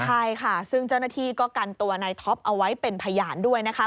ใช่ค่ะซึ่งเจ้าหน้าที่ก็กันตัวในท็อปเอาไว้เป็นพยานด้วยนะคะ